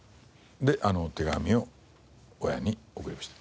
で手紙を親に送りました。